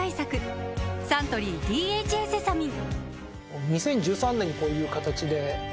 サントリー「ＤＨＡセサミン」